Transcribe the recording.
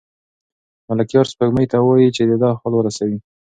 ملکیار سپوږمۍ ته وايي چې د ده حال ورسوي.